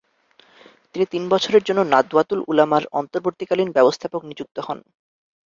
তিনি তিন বছরের জন্য নাদওয়াতুল উলামার অন্তর্বর্তীকালীন ব্যবস্থাপক নিযুক্ত হন।